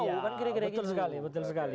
iya betul sekali